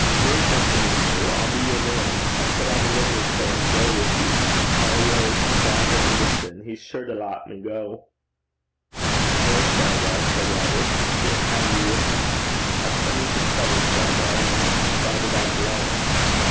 'Ye're a gentleman noo. I'll be yer man. I'll put on a livery coat, an' gang wi' ye. I'll awa' to Dr. Anderson. He's sure to lat me gang.' 'No, Shargar,' said Robert, 'I can't have you with me. I've come into trouble, Shargar, and I must fight it out alone.'